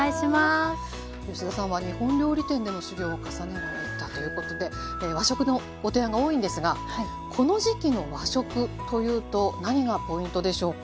吉田さんは日本料理店での修業を重ねられたということで和食のご提案が多いんですがこの時期の和食というと何がポイントでしょうか？